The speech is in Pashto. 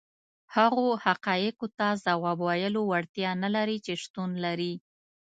هغو حقایقو ته ځواب ویلو وړتیا نه لري چې شتون لري.